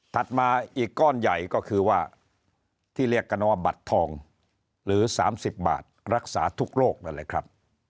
มาอีกก้อนใหญ่ก็คือว่าที่เรียกกันว่าบัตรทองหรือ๓๐บาทรักษาทุกโรคนั่นแหละครับ